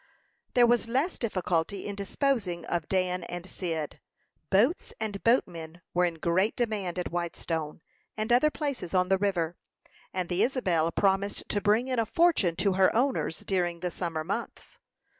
There was less difficulty in disposing of Dan and Cyd. Boats and boatmen were in great demand at Whitestone and other places on the river, and the Isabel promised to bring in a fortune to her owners during the summer months.